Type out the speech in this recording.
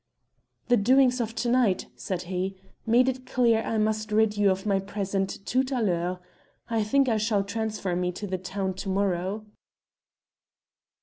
"The doings of to night," said he, "make it clear I must rid you of my presence tout à l'heure. I think I shall transfer me to the town to morrow."